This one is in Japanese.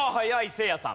せいやさん。